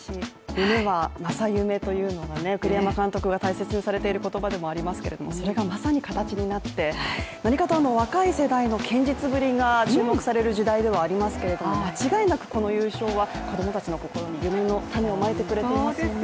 夢は正夢というのが栗山監督が大切にされている言葉でもありますけれども、それがまさに形になって、何かと若い世代の堅実ぶりが注目される時代ではありますけれども間違いなくこの優勝は子供たちの心に、夢の種をまいてくれていますよね。